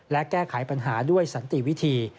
และแก้ไขปัญหาด้วยสันติวิธี